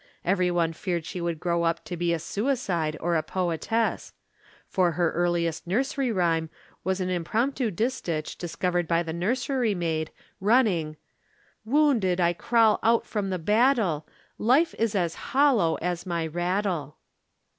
Every one feared she would grow up to be a suicide or a poetess; for her earliest nursery rhyme was an impromptu distich discovered by the nursery maid, running: Woonded i crawl out from the battel, Life is as hollo as my rattel.